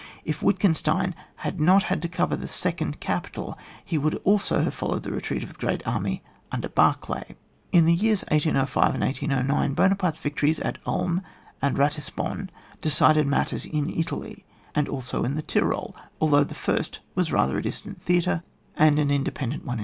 If Wittgen stein had not had to cover the second capital, he would also have followed the retreat of the great army under Barclay. In the years 1805 and 1809, Buona parte's victories at Ulm and Batisbon decided matters in Italy and also in the Tyrol, although the first was rather a distant theatre, and an independent one 80 ON WAR.